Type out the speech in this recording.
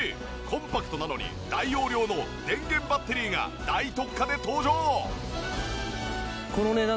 コンパクトなのに大容量の電源バッテリーが大特価で登場！